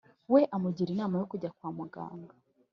we amugira inama yo kujya kwa muganga